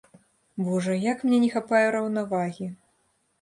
Божа, як мне не хапае раўнавагі!